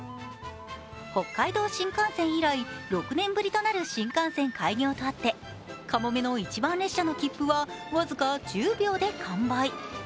北海道新幹線以来、６年ぶりとなる新幹線開業とあってかもめの一番列車の切符は僅か１０秒で完売。